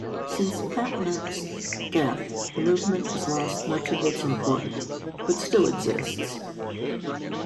Since Patnaik's death the movement has lost much of its importance, but still exists.